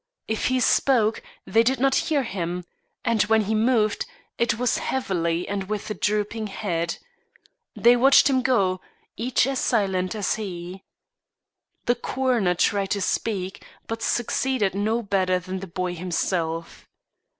If he spoke, they did not hear him; and when he moved, it was heavily and with a drooping head. They watched him go, each as silent as he. The coroner tried to speak, but succeeded no better than the boy himself.